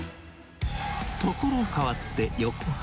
所変わって横浜。